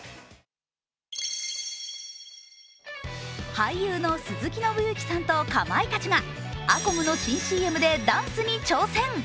俳優の鈴木伸之さんとかまいたちがアコムの新ＣＭでダンスに挑戦。